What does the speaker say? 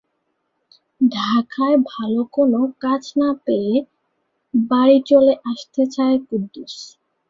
ঢাকায় ভালো কোন কাজ না পেয়ে বাড়ি চলে আসতে চায় কুদ্দুস।